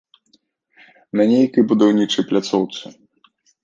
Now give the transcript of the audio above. На нейкай будаўнічай пляцоўцы.